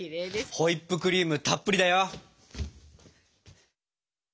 ホイップクリームたっぷりだよ。